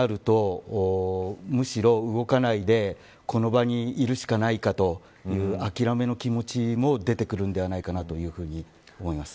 こうなると、むしろ動かないでこの場にいるしかないという諦めの気持ちも出てくるんではないかと思います。